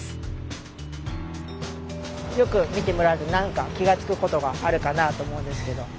よく見てもらうと何か気が付くことがあるかなあと思うんですけど。